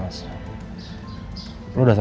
lu udah selalu sering buat elsa nangis deh